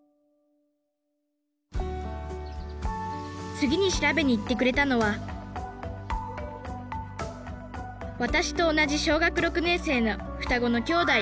次に調べに行ってくれたのは私と同じ小学６年生の双子の兄弟。